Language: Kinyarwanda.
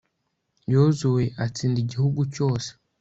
yozuwe atsinda igihugu cyose